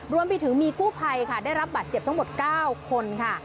รวมไปถึงมีกู้ภัยค่ะได้รับบัตรเจ็บทั้งหมด๙คนค่ะ